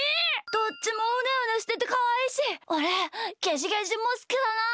どっちもうねうねしててかわいいしおれゲジゲジもすきだな。